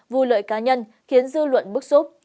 vù lợi cá nhân khiến dư luận bức xúc